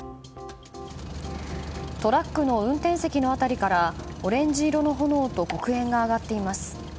トラックの運転席の辺りからオレンジ色の炎と黒煙が上がっています。